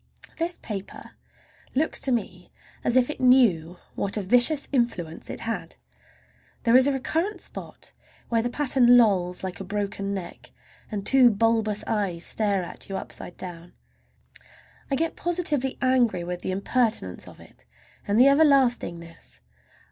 This paper looks to me as if it knew what a vicious influence it had! There is a recurrent spot where the pattern lolls like a broken neck and two bulbous eyes stare at you upside down. I get positively angry with the impertinence of it and the everlastingness.